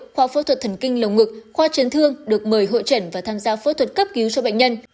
khoa phẫu thuật thần kinh lồng ngực khoa chấn thương được mời hội trần và tham gia phẫu thuật cấp cứu cho bệnh nhân